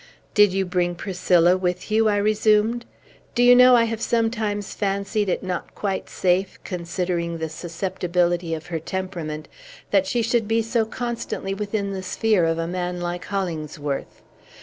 "Did you bring Priscilla with you?" I resumed. "Do you know I have sometimes fancied it not quite safe, considering the susceptibility of her temperament, that she should be so constantly within the sphere of a man like Hollingsworth.